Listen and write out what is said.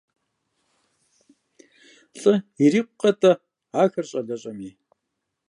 ЛӀы ирикъукъэ-тӀэ ахэр, щӀалэщӀэми!